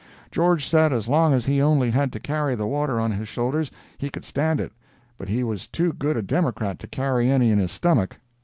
George said as long as he only had to carry the water on his shoulders, he could stand it, but he was too good a Democrat to carry any in his stomach!